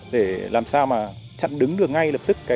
để làm sao mà chặn đứng được ngay lập tức